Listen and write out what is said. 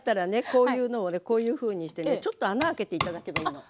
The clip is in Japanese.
こういうのをねこういうふうにしてねちょっと穴開けて頂けばいいの。